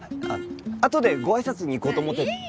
あっあとでご挨拶に行こうと思って。